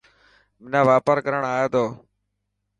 منا واپار ڪرڻ آئي ٿو.